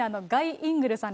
・イングルさん